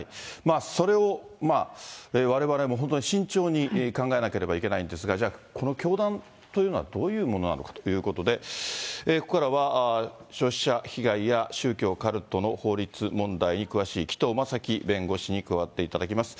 それをわれわれも本当に慎重に考えなければいけないんですが、じゃあ、この教団というのはどういうものなのかということで、ここからは消費者被害や、宗教・カルトの法律問題に詳しい、紀藤正樹弁護士に加わっていただきます。